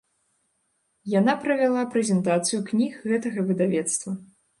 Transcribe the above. Яна правяла прэзентацыю кніг гэтага выдавецтва.